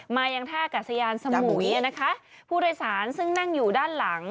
มายังท่ากัศยานสมุยนะคะผู้โดยสารซึ่งนั่งอยู่ด้านหลัง